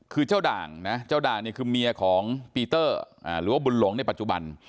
คือเจ้าด่างนะเจ้าด่างนี่คือเมียของปีเตอร์หรือว่าบุญหลงในปัจจุบัน